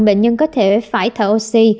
bệnh nhân có thể phải thở oxy